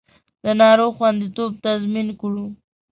د ناروغ خوندیتوب تضمین کړو